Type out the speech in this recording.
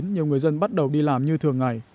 nhiều người dân bắt đầu đi làm như thường ngày